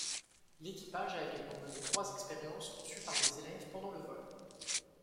L'équipage a également mené trois expériences conçues par des élèves pendant le vol.